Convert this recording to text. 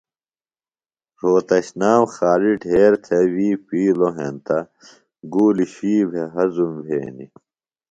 رھوتشنام خالیۡ ڈھیر تھےۡ وی پِیلوۡ ہینتہ گُولیۡ شُوئی بھےۡ ہضُم بھینیۡ۔